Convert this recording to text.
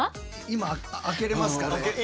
今開けれますかね？